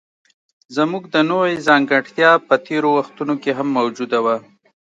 زموږ د نوعې ځانګړتیا په تېرو وختونو کې هم موجوده وه.